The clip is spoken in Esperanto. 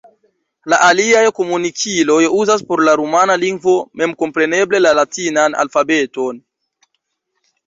La aliaj komunikiloj uzas por la rumana lingvo memkompreneble la latinan alfabeton.